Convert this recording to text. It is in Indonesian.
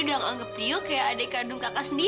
kak kendi juga anggap dio kayak adik kandung kakak sendiri